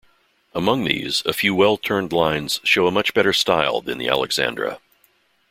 Among these, a few well-turned lines show a much better style than the "Alexandra".